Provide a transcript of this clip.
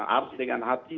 harus dengan hati